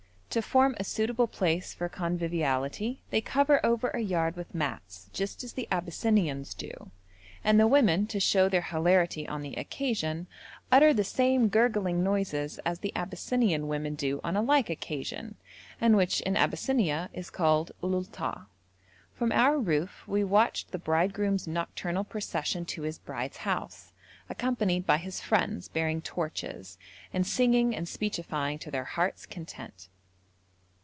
To form a suitable place for conviviality they cover over a yard with mats, just as the Abyssinians do, and the women, to show their hilarity on the occasion, utter the same gurgling noises as the Abyssinian women do on a like occasion, and which in Abyssinia is called ulultà. From our roof we watched the bridegroom's nocturnal procession to his bride's house, accompanied by his friends bearing torches, and singing and speechifying to their hearts' content.